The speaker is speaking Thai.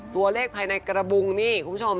ตัวเลขภายในกระบุงนี่คุณผู้ชม